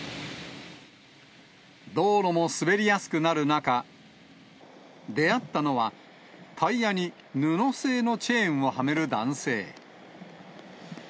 道路も滑りやすくなる中、出会ったのは、タイヤに布製のチェーンをはめる男性。